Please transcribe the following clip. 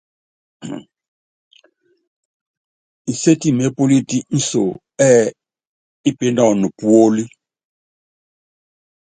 Inséti mépúlít inso ɛ́ɛ ípínɔn puólí.